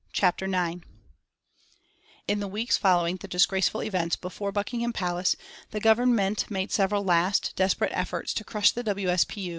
CHAPTER IX In the weeks following the disgraceful events before Buckingham Palace the Government made several last, desperate efforts to crush the W. S. P.